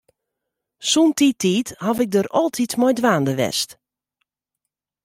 Sûnt dy tiid ha ik dêr altyd mei dwaande west.